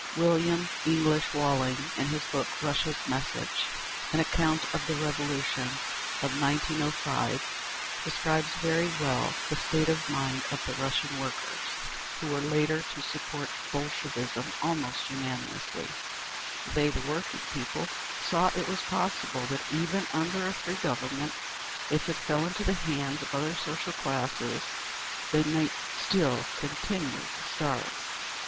William English Walling, in his book, "Russia's Message," an account of the Revolution of 1905, describes very well the state of mind of the Russian workers, who were later to support Bolshevism almost unanimously: They (the working people) saw it was possible that even under a free Government, if it fell into the hands of other social classes, they might still continue to starve….